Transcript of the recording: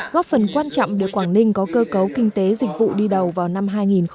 góp phần quan trọng để quảng ninh có cơ cấu kinh tế dịch vụ đi đầu vào năm hai nghìn hai mươi